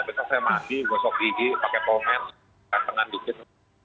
besok saya mandi besok gigi pakai pomer tengah tengah dikit